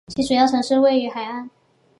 其他主要城市都位于海岸。